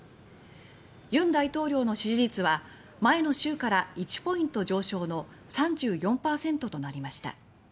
尹大統領の支持率は前の週から１ポイント上昇の３４％となりました。